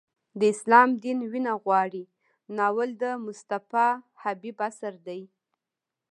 د اسلام دین وینه غواړي ناول د مصطفی خبیب اثر دی.